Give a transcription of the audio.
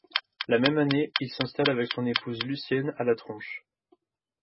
La même année, il s'installe avec son épouse Lucienne à La Tronche.